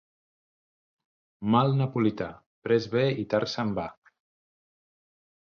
Mal napolità, prest ve i tard se'n va.